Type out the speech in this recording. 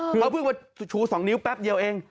คือเขาเพิ่งมาชู๒นิ้วแป๊บเดียวเอง